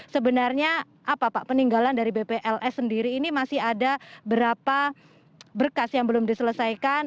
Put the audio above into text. sebenarnya apa pak peninggalan dari bpls sendiri ini masih ada berapa berkas yang belum diselesaikan